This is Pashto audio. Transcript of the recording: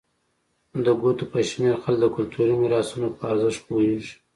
د ګوتو په شمېر خلک د کلتوري میراثونو په ارزښت پوهېږي.